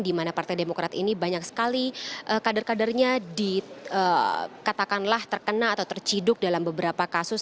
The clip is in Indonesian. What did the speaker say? di mana partai demokrat ini banyak sekali kader kadernya dikatakanlah terkena atau terciduk dalam beberapa kasus